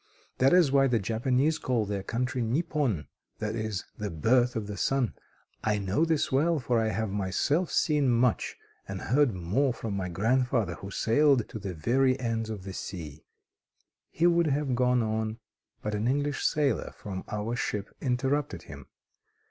That is why the Japanese call their country 'Nippon,' that is, 'the birth of the sun.' I know this well, for I have myself seen much, and heard more from my grandfather, who sailed to the very ends of the sea." He would have gone on, but an English sailor from our ship interrupted him.